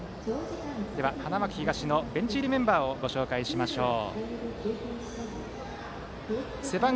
花巻東のベンチ入りメンバーをご紹介しましょう。